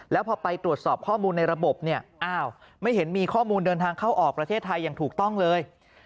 แล้วพอไปตรวจสอบข้อมูลในระบบเนี่ยอ้าวไม่เห็นมีข้อมูลเดินทางเข้าออกประเทศไทยอย่างถูกต้องเลย